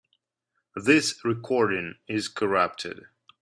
This recording is corrupted.